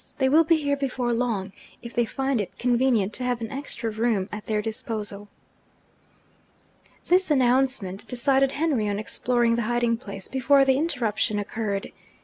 They will be here before long, if they find it convenient to have an extra room at their disposal.' This announcement decided Henry on exploring the hiding place, before the interruption occurred.